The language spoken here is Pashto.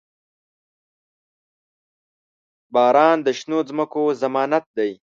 • باران د شنو ځمکو ضمانت دی.